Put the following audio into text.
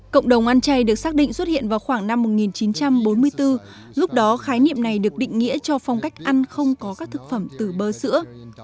cộng đồng ăn chay được xác định xuất hiện vào khoảng năm một nghìn chín trăm bốn mươi bốn lúc đó khái niệm này được định nghĩa cho phong cách ăn không có các thực phẩm từ bơ sữa